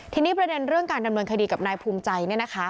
ทีนี้ประเด็นเรื่องการดำเนินคดีกับนายภูมิใจ